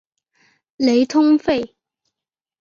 雷通费。